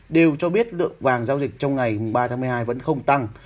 đều cho biết lượng vàng giao dịch trong ngày ba tháng một mươi hai vẫn không tăng